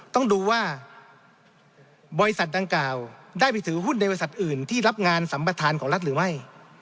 ต้องดูว่าบริษัทดังกล่าวได้ไปถือหุ้นในบริษัทอื่นที่รับงานสัมประธานของรัฐหรือไม่